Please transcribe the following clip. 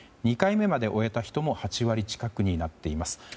２回目まで終えた人も８割近くになっています。